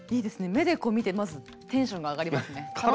目で見てまずテンションが上がりますね。